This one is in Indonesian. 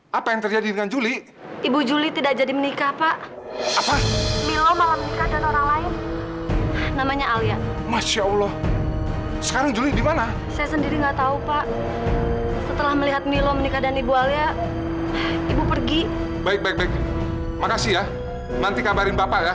sampai jumpa di video selanjutnya